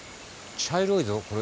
茶色いぞこれ。